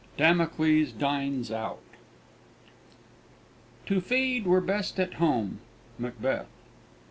DAMOCLES DINES OUT X. "To feed were best at home." _Macbeth.